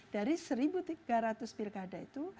dari satu tiga ratus pilkada itu